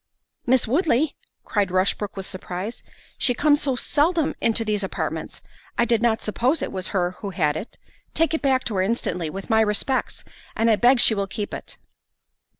"Miss Woodley!" cried Rushbrook with surprise, "she comes so seldom into these apartments, I did not suppose it was her who had it—take it back to her instantly, with my respects, and I beg she will keep it."